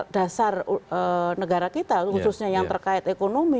dasar negara kita khususnya yang terkait ekonomi